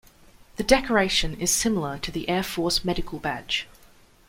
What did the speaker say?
The decoration is similar to the Air Force Medical Badge.